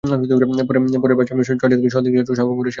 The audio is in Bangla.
পরে সাড়ে ছয়টার দিকে শতাধিক ছাত্র শাহবাগ মোড়ে এসে সড়ক অবরোধ করেন।